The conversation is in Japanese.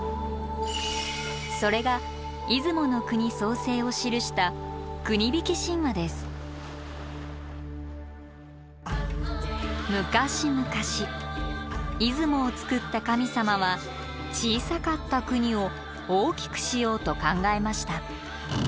それが出雲の国創生を記した昔々出雲を造った神様は小さかった国を大きくしようと考えました。